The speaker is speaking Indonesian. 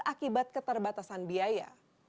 akibat keterbatasan biaya